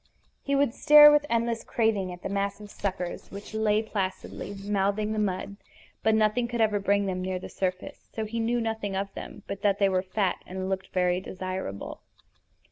He would stare with endless craving at the massive suckers which lay placidly mouthing the mud; but nothing could ever bring them near the surface, so he knew nothing of them but that they were fat and looked very desirable.